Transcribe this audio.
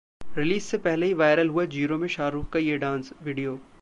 release से पहले ही वायरल हुआ जीरो में शाहरुख का ये डांस, Video